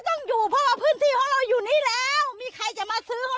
ต้องอยู่เพราะว่าพื้นที่ของเราอยู่นี่แล้วมีใครจะมาซื้อเขา